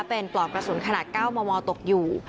เป็นปลอกกระสุนขนาด๙มมตกอยู่